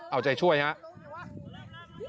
เอาใจช่วยครับ